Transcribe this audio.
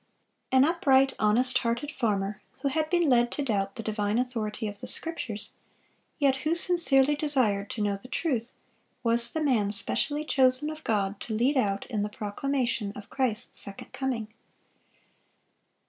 ] An upright, honest hearted farmer, who had been led to doubt the divine authority of the Scriptures, yet who sincerely desired to know the truth, was the man specially chosen of God to lead out in the proclamation of Christ's second coming.